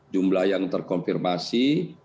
jumlah yang terkonfirmasi